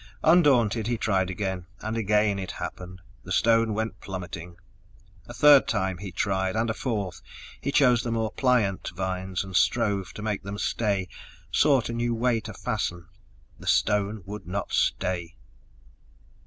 Undaunted, he tried again, and again it happened the stone went plummeting. A third time he tried, and a fourth. He chose the more pliant vines and strove to make them stay, sought a new way to fasten. The stone would not stay.